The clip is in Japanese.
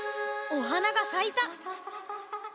おはながさいた。